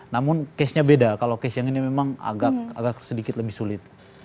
namun case nya beda kalau case yang ini memang agak sedikit lebih sulit